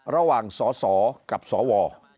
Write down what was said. ระหว่างสสกับสว